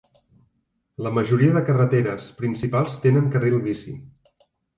La majoria de carreteres principals tenen carril bici.